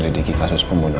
dan serious kita semua itulah